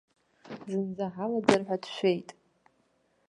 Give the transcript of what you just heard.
Зынӡа ҳалаӡыр ҳәа дшәеит.